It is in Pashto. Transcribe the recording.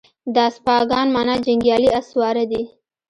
د اسپاگان مانا جنگيالي اس سواره دي